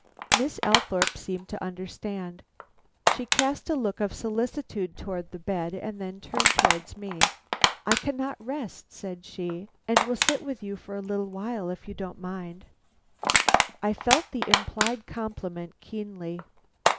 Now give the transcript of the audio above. Miss Althorpe seemed to understand. She cast a look of solicitude towards the bed and then turned towards me. "I cannot rest," said she, "and will sit with you for a little while, if you don't mind." I felt the implied compliment keenly.